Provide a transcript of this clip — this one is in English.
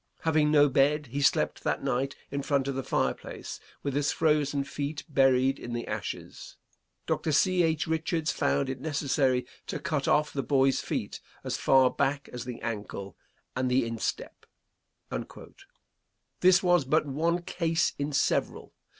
Having no bed, he slept that night in front of the fireplace, with his frozen feet buried in the ashes. Dr. C. H. Richards found it necessary to cut off the boy's feet as far back as the ankle and the instep." This was but one case in several.